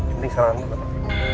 ini sarangannya bapak